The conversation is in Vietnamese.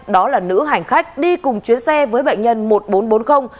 đó là nữ hành khách đi cùng chuyến xe với bệnh nhân một nghìn bốn trăm bốn mươi